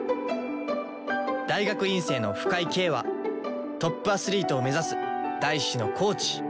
大学院生の深井京はトップアスリートを目指す大志のコーチ。